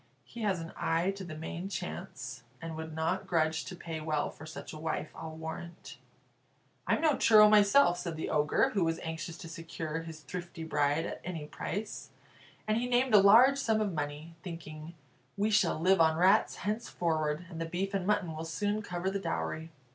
He has an eye to the main chance, and would not grudge to pay well for such a wife, I'll warrant." "I'm no churl myself," said the Ogre, who was anxious to secure his thrifty bride at any price; and he named a large sum of money, thinking, "We shall live on rats henceforward, and the beef and mutton will soon cover the dowry."